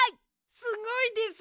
すごいです！